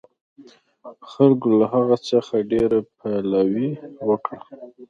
خلکو له هغه څخه ډېره پلوي وکړه.